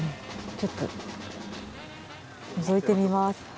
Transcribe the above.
ちょっとのぞいてみます。